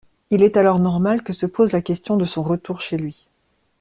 Il est alors normal que se pose la question de son retour chez lui.